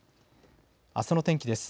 あすの天気です。